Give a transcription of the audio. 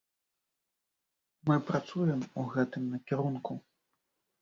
Мы працуем у гэтым накірунку.